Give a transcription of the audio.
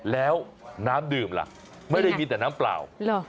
แล้วน้ำดื่มล่ะไม่ได้มีแต่น้ำเปล่า